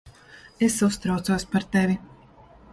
Es uztraucos par tevi.